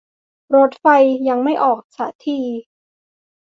รถไฟยังไม่ออกซะที